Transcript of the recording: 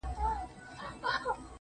o و ماته عجيبه دي توري د .